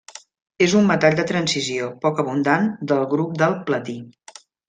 És un metall de transició, poc abundant, del grup del platí.